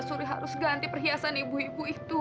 suri harus ganti perhiasan ibu ibu itu